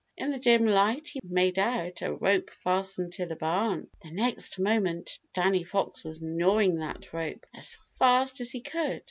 In the dim light he made out a rope fastened to the barn. The next moment Danny Fox was gnawing that rope as fast as he could.